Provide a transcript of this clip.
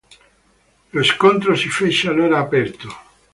Lo scontro si fece allora aperto.